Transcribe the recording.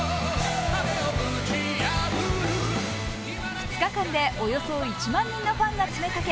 ２日間でおよそ１万人のファンが詰めかけ